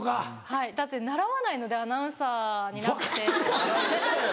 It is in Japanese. はいだって習わないのでアナウンサーになって。